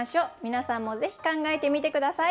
皆さんもぜひ考えてみて下さい。